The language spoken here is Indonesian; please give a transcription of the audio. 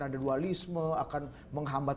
ada dualisme akan menghambat